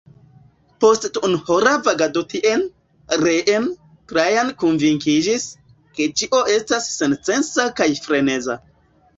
Post duonhora vagado tien, reen, Trajan konvinkiĝis, ke ĉio estas sensenca kaj freneza.